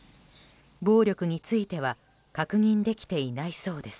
暴力については確認できていないそうです。